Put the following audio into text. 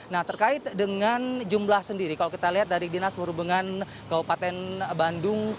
nah terkait dengan jumlah sendiri kalau kita lihat dari dinas perhubungan kabupaten bandung